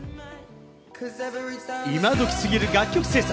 いまどきすぎる楽曲制作。